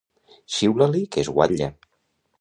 Xiula-li que és guatlla.